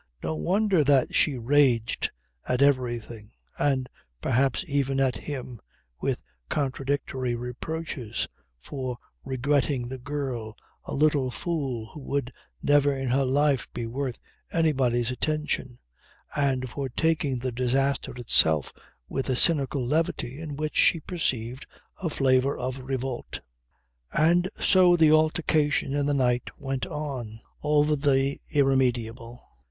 No wonder that she raged at everything and perhaps even at him, with contradictory reproaches: for regretting the girl, a little fool who would never in her life be worth anybody's attention, and for taking the disaster itself with a cynical levity in which she perceived a flavour of revolt. And so the altercation in the night went on, over the irremediable.